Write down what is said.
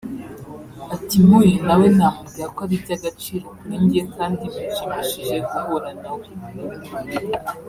Ati “Mpuye na we namubwira ko ari iby’agaciro kuri njye kandi binshimishije guhura nawe